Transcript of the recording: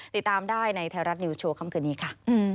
ติดตามได้ในไทยรัฐนิวโชว์ค่ำคืนนี้ค่ะ